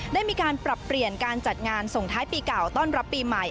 ได้มีการปรับเปลี่ยนการจัดงานส่งท้ายปีเก่าต้อนรับปีใหม่